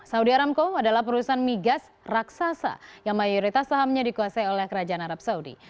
saudi aramco adalah perusahaan migas raksasa yang mayoritas sahamnya dikuasai oleh kerajaan arab saudi